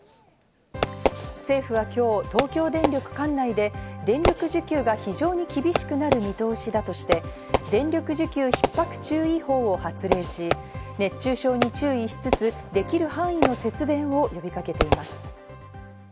政府は今日、東京電力管内で、電力需給が非常に厳しくなる見通しだとして、電力需給ひっ迫注意報を発令し、熱中症に注意しつつ、できる範囲の節電を呼びかけています。